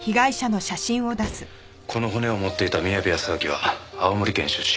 この骨を持っていた宮部保昭は青森県出身。